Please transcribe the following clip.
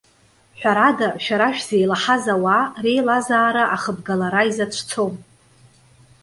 Ҳәарада, шәара шәзеилаҳаз ауаа, реилазаара ахыбгалара изацәцом.